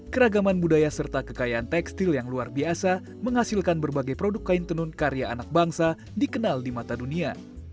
keragaman budaya serta kekayaan tekstil yang luar biasa menghasilkan berbagai produk kain tenun karya anak bangsa dikenal di mata dunia